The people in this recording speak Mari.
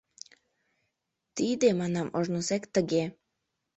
— Тиде, — манам, — ожнысек тыге.